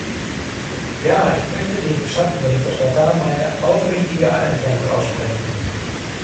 Ja, ich möchte dem Schattenberichterstatter meine aufrichtige Anerkennung aussprechen.